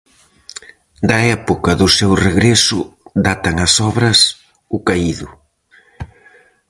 Da época do seu regreso datan as obras "O caído".